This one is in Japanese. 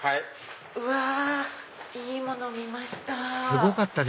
うわいいもの見ました。